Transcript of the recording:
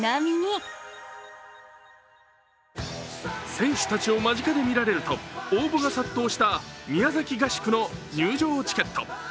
選手たちを間近で見られると応募が殺到した宮崎合宿の入場チケット。